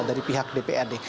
dari pihak dprd